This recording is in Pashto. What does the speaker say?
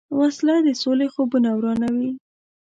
وسله د سولې خوبونه ورانوي